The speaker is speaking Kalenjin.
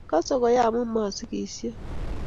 kose koya amu masigisio.